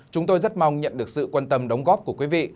chúng tôi rất mong nhận được sự quan tâm đóng góp của quý vị